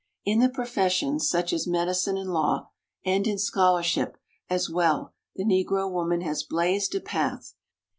In the professions, such as medicine and law, and in scholarship as well, the Negro woman has blazed a path.